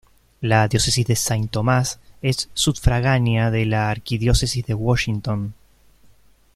La Diócesis de Saint Thomas es sufragánea de la Arquidiócesis de Washington.